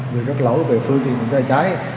về các lỗ về phương tiện cháy cháy